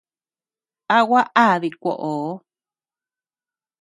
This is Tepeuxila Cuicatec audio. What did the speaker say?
¿A gua á dikuoʼo?